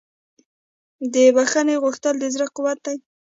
د بښنې غوښتل د زړه قوت دی.